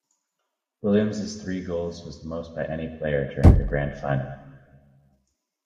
Williams' three goals was the most by any player during the Grand Final.